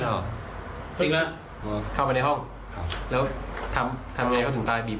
จริงแล้วเข้าไปในห้องครับแล้วทำทำยังไงก็ถึงตายบีบ